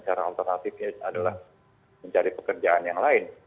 cara alternatifnya adalah mencari pekerjaan yang lain